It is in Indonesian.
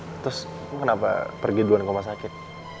terus kenapa pergi duluan ke rumah sakit